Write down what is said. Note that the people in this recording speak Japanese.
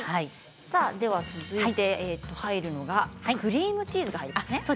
では続いて入るのがクリームチーズが入りますね。